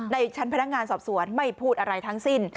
ในชั้นพนักงานสอบสวนไม่พูดอะไรทั้งสิ้น